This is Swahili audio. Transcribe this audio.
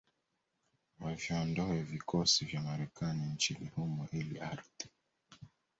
waviondoe vikosi vya Marekani nchini humo ili ardhi